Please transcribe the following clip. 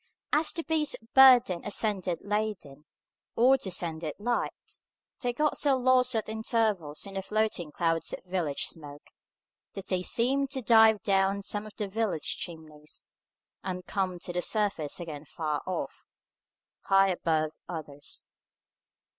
As the beasts of burden ascended laden, or descended light, they got so lost at intervals in the floating clouds of village smoke, that they seemed to dive down some of the village chimneys, and come to the surface again far off, high above others.